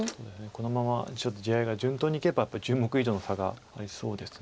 このままちょっと地合いが順当にいけばやっぱり１０目以上の差がありそうです。